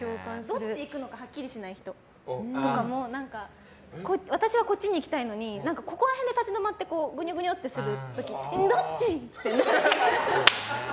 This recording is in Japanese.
どっち行くのかはっきりしない人とかも私はこっちに行きたいのにここら辺で立ち止まってぐにゅぐにゅってする時どっち！ってなる。